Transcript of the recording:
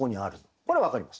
これ分かります。